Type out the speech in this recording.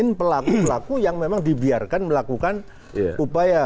mungkin pelaku pelaku yang memang dibiarkan melakukan upaya